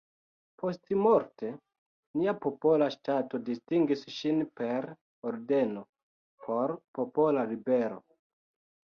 Postmorte nia popola ŝtato distingis ŝin per ordeno „Por popola libero".